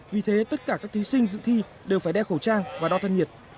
vì thế tất cả các thí sinh dự thi đều phải đeo khẩu trang và đo thân nhiệt